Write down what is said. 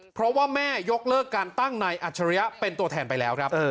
เพราะว่าแม่ยกเลิกการตั้งนายอัจฉริยะเป็นตัวแทนไปแล้วครับ